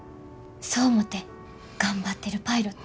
そう思って頑張ってるパイロット。